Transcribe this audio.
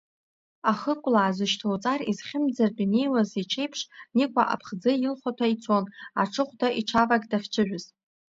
Ахыкәлаа зышьҭоуҵар изхьымӡартә инеиуаз иҽеиԥш, Никәа аԥхӡы илхәаҭа ицон, аҽыхәда иҽавак дахьҽыжәыз.